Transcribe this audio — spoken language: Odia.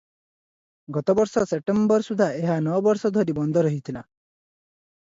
ଗତ ବର୍ଷ ସେପ୍ଟେମ୍ବର ସୁଦ୍ଧା ଏହା ନଅ ବର୍ଷ ଧରି ବନ୍ଦ ରହିଥିଲା ।